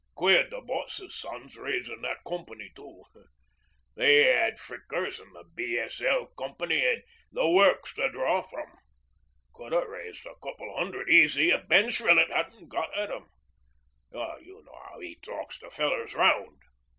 Queered the boss's sons raisin' that Company too. They 'ad Frickers an' the B.S.L. Co. an' the works to draw from. Could ha' raised a couple hundred easy if Ben Shrillett 'adn't got at 'em. You know 'ow 'e talks the fellers round.'